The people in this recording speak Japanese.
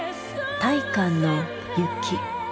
大観の雪。